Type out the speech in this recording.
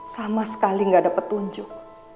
sama sekali gak dapet tunjuk